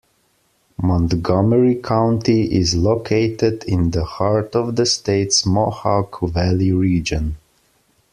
Montgomery County is located in the heart of the state's Mohawk Valley region.